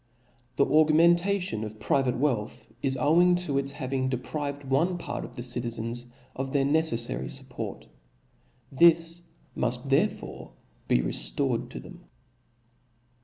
The aug mentation of private wealth is owing to its hav ing deprived one part of the citizens of their neceflary fupport j this muft therefore be reftored to them.